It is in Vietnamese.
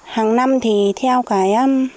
hàng năm thì theo cái